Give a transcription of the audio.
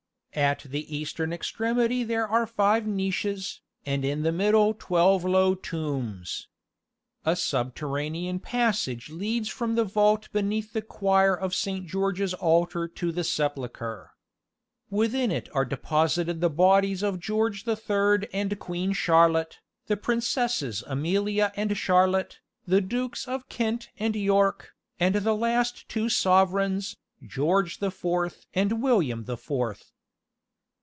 At the eastern extremity there are five niches, and in the middle twelve low tombs. A subterranean passage leads from the vault beneath the choir of Saint George's altar to the sepulchre. Within it are deposited the bodies of George the Third and Queen Charlotte, the Princesses Amelia and Charlotte, the Dukes of Kent and York, and the last two sovereigns, George the Fourth and William the Fourth.